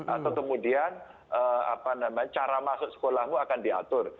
atau kemudian cara masuk sekolahmu akan diatur